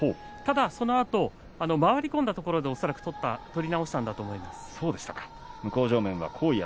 そのあと回り込んだところで取り直したんだと思います。